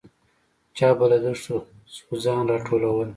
چا به له دښتو ځوځان راټولول.